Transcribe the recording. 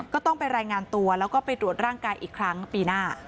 ก็ต้องไปรายงานตัวแล้วก็ไปตรวจร่างกายอีกครั้งปีหน้า